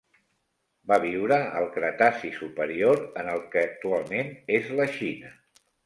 Va viure al Cretaci superior en el que actualment és la Xina.